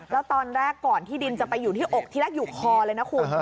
แล้วตอนแรกก่อนที่ดินจะไปอยู่ที่อกที่แรกอยู่คอเลยนะคุณ